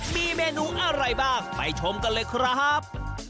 มีเมนูอะไรบ้างไปชมกันเลยครับ